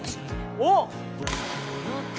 おっ！